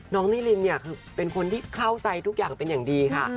นิรินเนี่ยคือเป็นคนที่เข้าใจทุกอย่างเป็นอย่างดีค่ะ